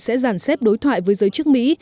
sẽ giàn xếp đối thoại với giới chức mỹ